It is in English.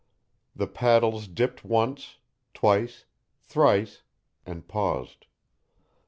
The paddles dipped once, twice, thrice, and paused.